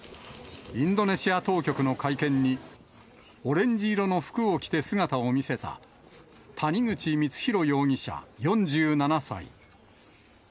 インドネシア当局の会見に、オレンジ色の服を着て姿を見せた、谷口光弘容疑者４７歳。